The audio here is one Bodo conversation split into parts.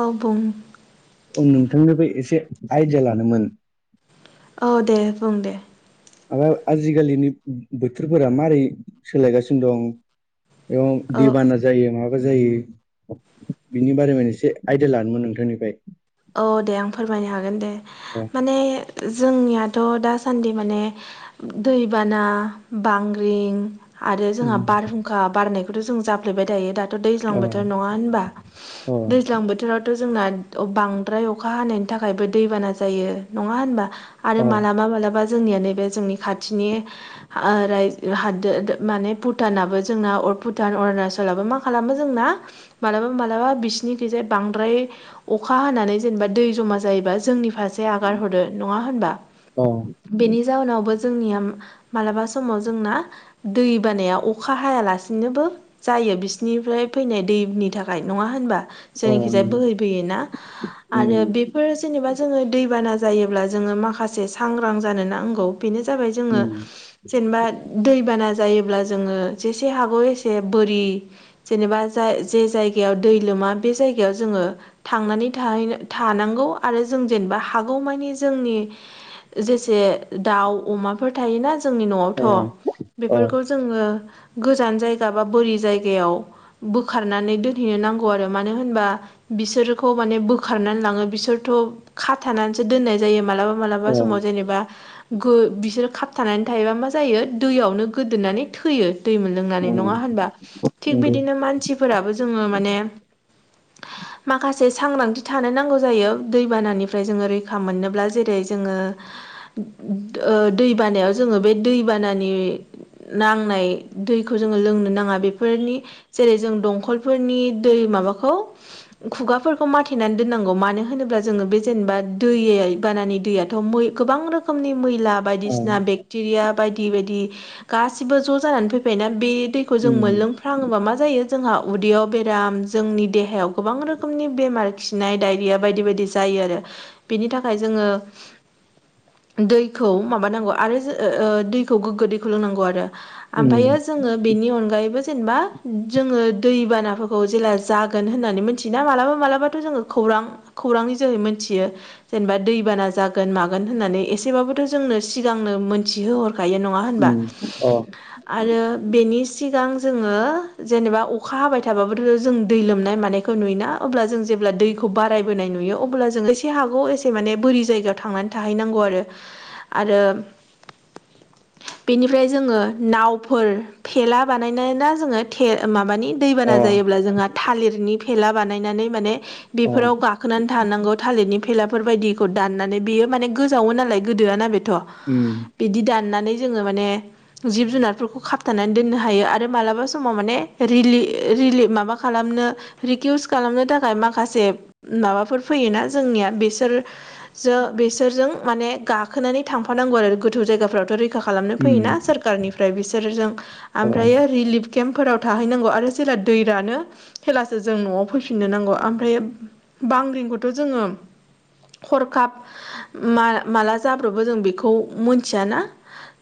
आबुं उम नोंथांनिफ्राय एसे आइडिया लानोमोन। औ दे बुं दे। माबा आजिखालिनि बोथोरफोरा मारै सोलायगासिनो दं। अ औ दै बानाजों जायो माबा जायो बिनि बारै एसे आयदिया लदोंमोन नोंथांनिफ्राय। अ दे आं फोरमायनो हागोन दे। अ। माने जोंनियाथ' दासान्दि माने। दैबाना बांग्रिं आरो जोंहा बारहुंखा बारनायखौथ' जों जाफ्लेबाय दायो दा। थ' दैज्लां अ बोथोर नङा होनबा अ दैज्लां बोथोरावथ' जोंना अ बां बांद्राय अखा हानायनि थाखायबो दैबाना जायो नङा होनबा आरो मालाबा मालाबा जोंनिया नैबे जोंनि खाथिनि [inaudible] हादोर माने भुटानाबो जोंना भुटान अरुणाचलाबो मा खालामो जोंना मालाबा मालाबा बिसिनि खैजाय बांद्राय अखा हानानै। जेनेबा दै जमा जायोबा जोंनि फारसे आगार हरदो नङा होनबा? अ बेनि जाउनावबो जोंनिया मालाबा समाव जोंना दै बानाया अखा हायालासिनोबो जायो बिसिनिफ्राय फैनाय दैनि थाखाय नङा होनबा अ जोंखिजाया बोहै बोयोना। आरो उम बेफोर जेनेबा जोङो दैबाना जायोब्ला जोङो माखासे सांग्रां जानो नांगौ। बेनो जाबाय जोङो उम जेनेबा दैबाना जायोब्ला जोङो जेसे हागौ एसे बोरि जेनेबा जाय जे जायगायाव दै लोमा बे जायगायाव जोङो थांनानै थाहैनो थानांगौ आरो जों जेनेबा हागौ मानि जोंनि जेसे दाउ अमाफोर थायोना जोंनि अ न'आवथ' अ बेफोरखौ जोङो गोजान जायगा बा बोरि जायगायाव बोखारनानै दोनहैनो नांगौ आरो मानो होनबा बिसोरखौ माने बोखा खारनानै लाङो बिसोरथ' खाथानानैसो दोननाय जायो मालाबा मालाबा अ समाव जेनेबा गो बिसोर खाबथानानै थायोबा मा जायो दैयावनो गोदोननानै थैयो दै मोन अ लोंनानै नङा होनबा थिग नंगौ बिदिनो मानसि फोराबो जोङो माने माखासे सांग्रथि थानो नांगौ जायो दैबानानिफ्राय जोङो रैखा मोनोब्ला जेरै जोङो ओ दै बानायाव जोङो बे दैबानानि नांनाय दैखौ जोङो लोंनो नाङा। बेफोरनि जेरै जों दंखलफोरनि दै माबाखौ खुगा फोरखौ मा बायनानै दोननांगौ मानो होनोब्ला जोङो बे जेनेबा दै बानानि दैयाथ' गोबां रोखोमनि मैला अ बायदिसिना बेक्टेरिया बायदि-बायदि गासिबो ज' जानानै फैबायबाय ना बे दैखौ जों उम मोनलों [inaudible] ङोबा मा जायो जोंहा उदैयाव बेराम जोंनि देहायाव गोबां रोखोमनि बेमार खिनाय दडायरिया बायदि बायदि जायो आरो बिनि थाखाय जोङो दैखौ माबानांगौ आरो दैखौ गोग्गो दैखौ लोंनांगौ आरो। ओमफ्रायो उम जोङो बेनि अनगायैबो जोनेबा जोङो दैबानाफोरखौ जेला जाग गोन होननानै मिथियोना मालाबा मालाबथ' जोङो खौरां खौरांनि जोहै मिथियो। जेनेबा दैबाना जागोन मागोन होननानै एसेबाबोथ' जोंनो सिगांनो मोनथिहो हरखायो नङा होनबा उम अ आरो बेनि सिगां जोङो जेनेबा अखा हाबाय थाबाबोथ' जों दै लोमनाय मानाय खौ नुयोना अब्ला जों जेब्ला दैखौ बारायोनाय नुयो अब्ला जोङो जि हागौ एसे माने बोरि जायगायाव थांनानै थाहैनांगौ आरो आरो [inaudible] बेनिफ्राय जोङो नावफोर थेला बानायनोना जोङो थे माबानि अ दैबाना जायोब्ला जोंहा थालिरनि फेला बानायनानै माने अ बेफोराव गा गाखोनानै थानांगौ थालिरनि फेलाफोर बायदिखौ दाननानै बेयो माने गोजावो नालाय गोदोआना बेथ' ओम बिदि दाननानै जोङो माने जिब जुनारफोरखौ खाबथानानै दोननो हायो आरो मालाबा समाव माने रिलि रिलि माबा खालामनो रिकिउस खालामनो थाखाय मा माखासे माबाफोर फैयोना जोंनिया बेसोर सो बेसो बिसोरजों माने गाखोनानै थांफानांगौ आरो गोथौ जायगाफ्रावथ' रैखा खालामनो उम फैयोना सोर खारनिफ्राय बिसोरजों अ ओमफ्रायो रिलिफ केम्पफोराव थाहैनांगौ आरो जेला दै रानो हेलासो जों न'आव फैफिननो नांगौ ओम फ्राय बांग्रिंखौथ' जोङो हरखाब मा -माला जाब्रबो जों बेखौ मोनथियाना?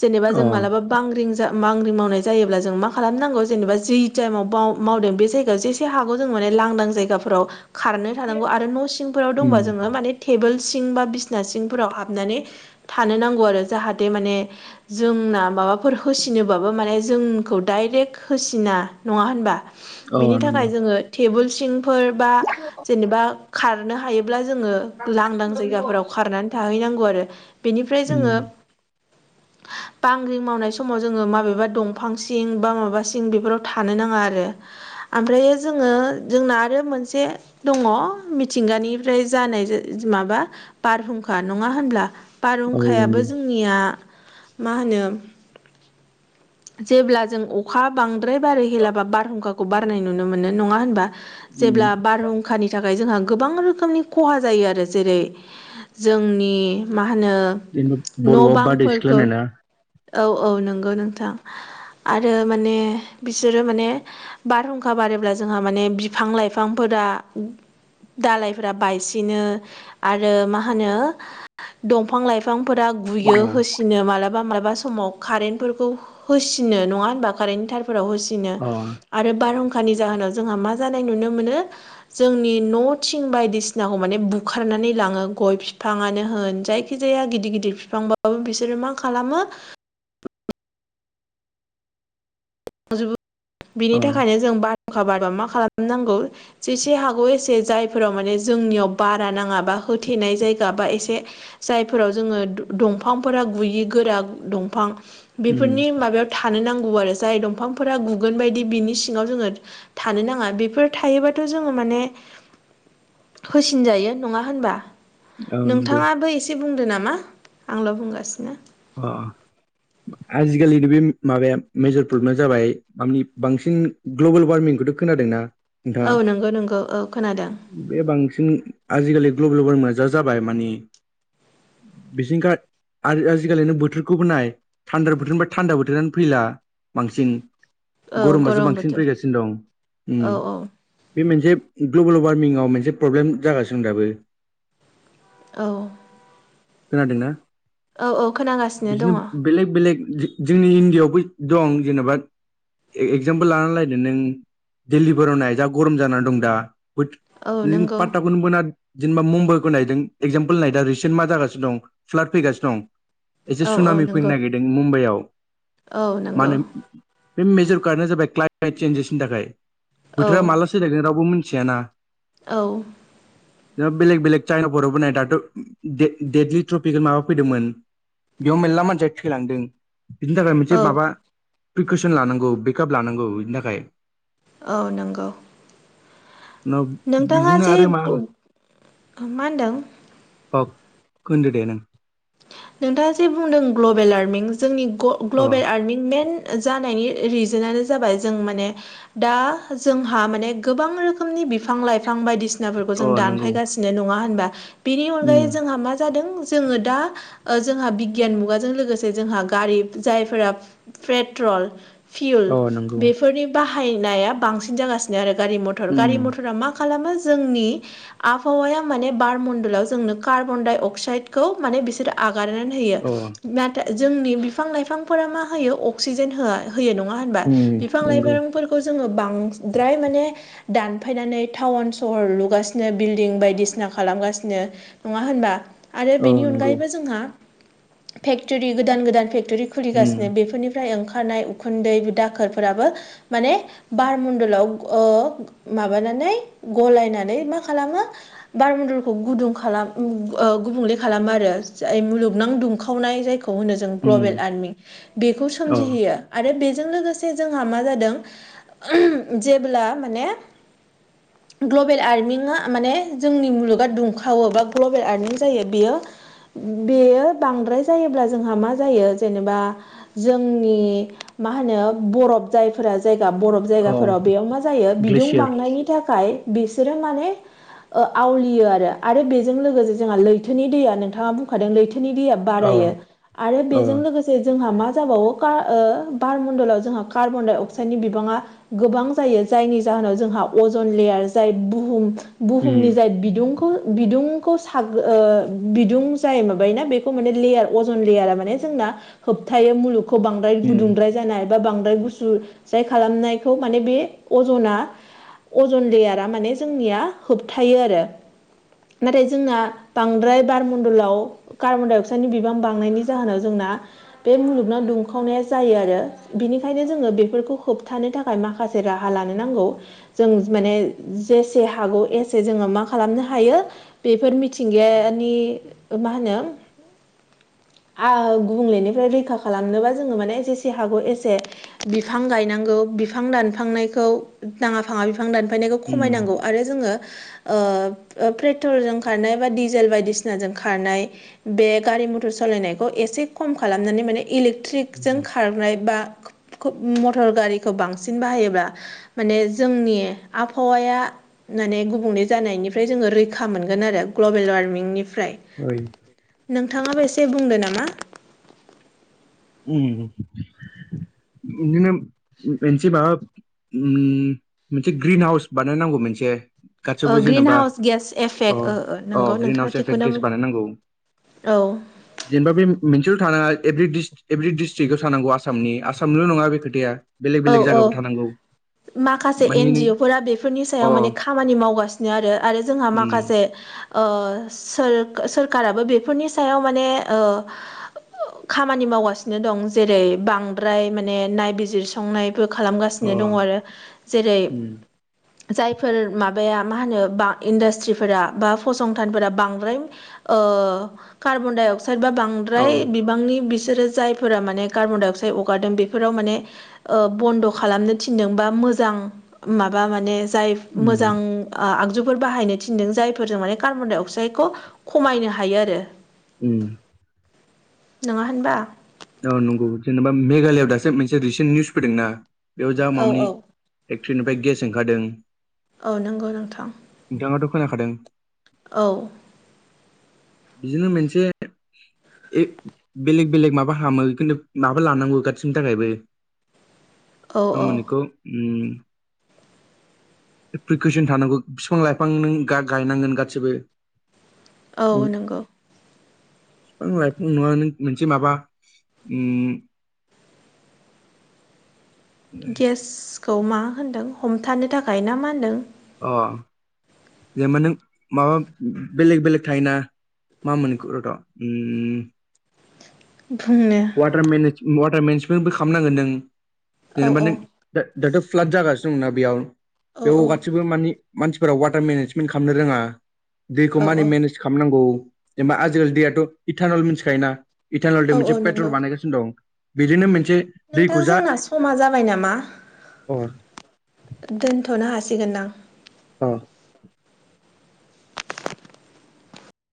जेनेबा अ जों मालाबा बांग्रिं जा बांग्रिं मावनाय जायोब्ला जों मा खालामनांगौ जेनेबा जि टाइमाव बाव मावदों बे जायगायाव जेसे हागौ जों माने लांदां जायगाफोराव खारनो थानांगौ आरो न' सिंफोराव दंबा उम जोङो माने टेबोल सिं बा बिसना सिंफोराव हाबनानै थानो नांगौ आरो जाहाथे माने जोंना माबाफोर होसिनोबाबो माने जोंखौ डाइरेक्ट होसिना नङा होनबा अ बिनि नंगौ थाखाय जोङो टेबोल सिंफोर बा अ अ जेनेबा खारनो हायोब्ला जोङो लांदां जायगाफोराव खारनानै थाहैनांगौ आरो बेनिफ्राय जोङो [inaudible] बांग्रिं मावनाय समाव जोङो माबेबा दंफां सिं बा माबा सिं बेफोराव थानो नाङा आरो ओमफ्रायो जोङो जोंना आरो मोनसे दङ मिथिंगानिफ्राय जानाय जा माबा बारहुंखा नङा होनब्ला? औ बारहुंखायाबो नंगौ जोंनिया मा होनो [inaudible] जेब्ला जों अखा बांद्राय बारो हेला बारहुंखाखौ बारनाय नुनो मोनो नङा होनबा उम जेब्ला बारहुंखानि थाखाय जोंहा गोबां रोखोमनि खहा जायो आरो जेरै जोंनि मा होनो जेनेबा न' बर'आव बारदै सिख्ला बांफोरखौ होनो ना? औ औ नंगौ नोंथां आरो माने बिसोरो माने बारहुंखा बारोब्ला जोंहा माने बिफां लाइफांफोरा दालायफोरा बायसिनो आरो मा होनो दंफां लाइफां बिफांफोरा गुयो होसिनो मालाबा मालाबा समाव कारेन्टफोरखौ होसिनो नङा होनबा कारेन्टनि थारफोराव होसिनो अ आरो बारहुंखानि जाहोनाव जोंहा मा जानाय नुनो मोनो जोंनि न' थिं बायदिसिनाखौ माने बुखारनानै लाङो गय बिफाङानो होन जाय जेखि जाया गिदिर गिदिर बिफांबाबो बिसोरो मा खालामो थांजोबो बिनि अ थाखायनो जों बारहुंखा बारब्ला मा खालामनांगौ जेसे हागौ एसे जायफोराव माने जोंनियाव बारा नाङाबा होथेनाय जायगा बा एसे जायफोराव जोङो दंफांफोरा गुयि गोरा दंफां उम बेफोरनि माबायाव थानो नांगौ आरो जाय दंफांफोरा गुगोन बायदि बिनि सिङाव जोङो थानो नाङा बेफोर थायोबाथ' जोङो माने होसिनजायो नङा होनबा औ नंगौ नोंथाङाबो एसे बुंदो नामा आंल' बुंगासिनो अ आजिखालिनि बे माबाया मेजर प्रब्लेमा जाबाय बिफांनि बांसिन ग्लबेल वार्मिंखौथ' खोनादोंना नोंथाङा? औ नंगौ-नंगौ औ खोनादों बे बांसिन आजिखालि ग्लबेल वार्मिंआ जा जाबाय माने [unintelligible] आथिखालिनो बोथोरखौबो नाय थान्दा बोथोरनिफ्राय थान्दा बोथोरानो फैला बांसिन औ गरमासो गरम बांसिन बोथोर फैगासिनो दं औ औ बे मोनसे ग्लबेल वारमिंआव मोनसे प्रब्लेम जागासिनो दं दाबो औ खोनादोंना औ औ खोनागासिनो बिदिनो दङ बेलेग बेलेग जोंनि इण्डियावबो दं जेनेबा एगजामपोल लानानै लायदो नों दिल्लीफोराव नाय जा गरम जानानै दं दा औ नंगौ [unintelligible] गुबुनमोना जेनेबा मुम्बखौ नायदों एक्जामपोल नाय दा रिसेन्ट मा जागासिनो दं फ्लाद फैगासिनो दं एसे औ औ सुनामि फैनो नंगौ नागिरदों मुम्बाइआव औ मा नंगौ होनो बे मेजर कारटआ जाबाय क्लाइमेट चेन्जेसनि थाखाय औ बोथोरा माला सोलायगोन रावबो मिथियाना औ बेलेग बेलेग चाइनफोरावबो नाय दाथ' देडलि ट्रफिखौ माबा फैदोंमोन बेयाव मेरला मानसिया थैलांदों बिनि थाखाय मोनसे औ माबा प्रिकसन लानांगौ बेकआप लानांगौ बिनि थाखाय औ नंगौ उनाव नोंथाङा बिदिनो जे आरो मा होनदों [unintelligible] नोंथाङा जे बुंदों ग्लबेल वार्मिं जोंनि अ ग्लबेल वार्मिं मेन जानायनि रिजोनानो जाबाय जों माने दा जोंहा माने गोबां रोखोमनि बिफां लाइफां बायदिसिना सिनाफोरखौ अ जों नंगौ दानफायगासिनो नङा होनबा बेनि उम अनगायै जोंहा मा जादों जोङो दा जोंहा बिगियान मुगाजों लोगोसे जोंहा गारि जायफोरा पेट्रल फिउल अ नंगौ बेफोरनि बाहायनाया बांसिन जागासिनो आरो गारि मथर गारि उम मथरा मा मा खालामो जोंनि आबहावाया माने बार मनडलाव जोंनो कार्बन डाइ अक्साइदखौ माने बि आगारनानै अ होयो जोंनि बिफां लाइफांफोरा मा होयो अक्सिजेन हो होयो नङा होनबा उम बिफां नंगौ लाइफांफोरखौ खौ जोङो बांद्राय माने दानफायनानै टाउन सहर लुगासिनो बिल्दिं बायदिसिना खालामगासिनो नङा होनबा आरो अ बेनि नंगौ अनगायैबो जोंहा फेक्टरि गोदान गोदान फेक्टरि उम खुलिगासिनो बेफोरनि बेनिफ्राय ओंखारनाय उखुन्दै दाखोरफोराबो माने बारमडलाव माबानानै गलायनानै मा खालामो बारमनदलखौ गुदुं खालाम गुबुंले खालामो आरो जाय मुलुगनां दुंखावनाय जायखौ होनो जों उम ग्लबेल वारमिं बेखौ अ सोमजिहोयो आरो बेजों लोगोसे जोंहा मा जादों जेब्ला माने [inaudible] ग्लबेल वार्मिंआ माने जोंनि मुलुगा दुंखावो बा ग्ल'बेल वार्मिं जायो बेयो बेयो बांद्राय जायोब्ला जोंहा मा जायो जेनेबा जोंनि मा होनो बरफ जायफोरा जायगा बरफ अ जायगाफोराव बेयाव मा जायो बिदुं ग्लेसियार बांनायनि थाखाय बिसोरो माने आवलियो आरो आरो बेजों लोगोसे जोंहा लैथोनि दैया नोंथाङा बु खादों लैथोनि दैया अ बारायो आरो अ बेजों लोगोसे जोंहा मा जाबावो बारण्डलाव जोंहा कार्बन डाइ अक्साइडनि बिबाङा गोबां जायो जायनि जाहोनाव जोंहा अजन लेयार जाय बुहुम उम बुहुमनि जाय बिदुंखौ बिदुंखौ साग बिदुं जाय माबायोना बेखौ माने लेयार अजन लेयारा जोंना होबथायो मुलुगखौ बांद्राय उम गुदुंद्राय जानाय बा बांद्राय गुसु जाय खालामनायखौ माने बे अजना अजन लेयारा माने जोंनिया होबथायो आरो नाथाय जोंना बांद्राय बार न्दलाव कार्बन डाइ अक्साइडनि बिबां बांनायनि जाहोनाव जोंना बे मुलुगनाव दुंखावनाया जायो आरो बिनिखायनो जोङो बेफोरखौ होबथानो थाखाय माखासे राहा लानो नांगौ जों माने जेसे हागौ एसे जोङो मा खालामनो हायो बेफोर मिथिंगायानि मा होनो गुबुंलेनिफ्राय रैखा खालामनोबा जोङो माने जेसे हागौ एसे बिफां गायनांगौ बिफां दानफांनायखौ नाङा फाङा बिफां दानफायनायखौ उम खमायनांगौ आरो जोङो पेट्रल ज खारनाय बा डिजेल बायदिसिनाजों खार खारनाय बे गारि मथर सालायनायखौ एसे खम खालामनानै माने इलेक्ट्रिकजों खारनाय बा मटर गारिखौ बांसिन बाहायोब्ला माने जोंनि आबहावाया माने गुबुंनै जानायनिफ्राय जोङो रैखा मोनगोन आरो ग्लबेल वारमिंनिफ्राय [unintelligible] नोंथाङाबो एसे बुंदों नामा बिदिनो मोनसे माबा उम मोनसे ग्रिन हाउस बानायनांगौ मोनसे गासैबो ग्रिन जेनेबा हाउस गेस अ एफेक्ट अ नोंगौ ग्रिन हाउस नोंथाङा एफेक्ट थिखौनो गेस बानायनांगौ औ जेनेबा बे मोनसेल' थानाङा एभ्रि डिस्ट्रिकआव थानांगौ आसामनि आसामनिल' नङा बे खोथाया बेलेग औ बेलेग औ जायगायावबो थानांगौ माखासे माने नों एनजअ फोर बेफोरनि अ सायाव माने खामानि मावगासिनो आरो आरो जोंहा उम माखासे सोरखाराबो बेफोरनि सायाव माने खामानि मावगासिनो दं जेरै बांद्राय माने नायबिजिर संनायबो अ खालामगासिनो दङ आरो जेरै उम जायफोर माबाया मा होनो बा इन्डास्ट्रिफोरा बा फसंथानफोरा बांद्राय कार्बन डाइअक्साइद बा बां अ बांद्राय बिबांनि बिसोरो जायफोरा माने कार्बनडाइ अक्साइड हगारदों बेफोराव माने बन्द' खालामनो थिनदोंबा मोजां माबा माने जाय उम मोजां आगजुफोर बाहायनो थिनदों जायफोरजों माने कार्बन डाइ अक्साइदखौ खमायनो हायो आरो उम नङा होनबा। औ नंगौ जेनेबा मेघालयआव दासो मोनसे रिसेन्ट निउस फैदोंना बेयाव जा औ माबानि औ फेक्ट्रिनिफ्राय गेस ओंखारदों औ नंगौ नोंथां। नोंथाङाथ' खोनाखादों औ। बिदिनो मोनसे बेलेग बेलेग माबा माबा हामो खिन्थु माबा लानांगौ गाससिनि थाखायबो औ आ औ मोनोन बेखौ उम प्रिकसन थानांगौ फिफां लाइफां नों गा-गायनांगोन गासिबो औ नोंगौ फिफां लाइफां नङा मोनसे माबा उम गेसखौ मा होनदों हमथानो थाखाय ना मा होनदों? अ जेनबा नों माबा बेलेग बेलेग थायोना मा होनोमोन बेख रथ उम बुंनो वाटार मेनेज वाटार मेनेजमेन्टबो खालामनांगोन नों औ जेनेबा नों औ दा दाथ फ्लाद जागासिनो दंना बेयाव बेयाव औ गाैबो मानि मानसिफोरा वाटार मेनेजमेन्ट खालामनो रोङा दैखौ औ मानि मेनेज खालामनांगौ जेनेबा आजिखालि दैयाथ इटानल मिथिखायोना इटानलजों औ औ मोनसे नंगौ नो दं बिदिनो मोनसे नोंथां दैखौ जा जोंना समा जाबाय नामा? अ दोनथ नो हासिगोन दां औ